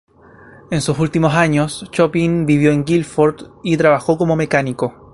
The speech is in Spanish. En sus últimos años, Chopin vivió en Guilford, y trabajo como mecánico.